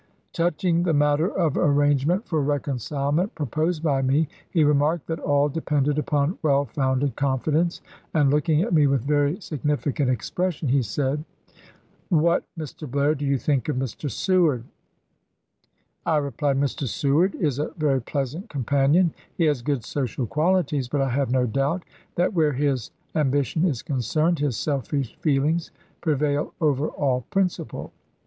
.." Touching the matter of arrangement for recon cilement proposed by me, he remarked that all depended upon well founded confidence, and, look ing at me with very significant expression, he said, 1 What, Mr. Blair, do you think of Mr. Seward f ' jaiCiajs I replied: 'Mr. Seward is a very pleasant com panion ; he has good social qualities, but I have no doubt that where his ambition is concerned his selfish feelings prevail over all principle.